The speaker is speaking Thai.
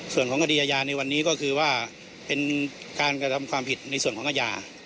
ส่วนของคดีอาญาในวันนี้ก็คือว่าเป็นการกระทำความผิดในส่วนของอาญา